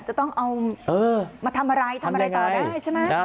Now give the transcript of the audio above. จะต้องเอามาทำอะไรทำอะไรต่อได้ใช่ไหม